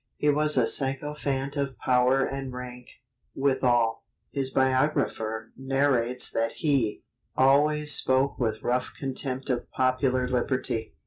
He was a sycophant of power and rank, withal; his biographer narrates that he "always spoke with rough contempt of popular liberty."